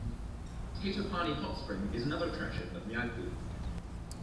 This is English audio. Tatopani Hot Spring is another attraction of Myagdi.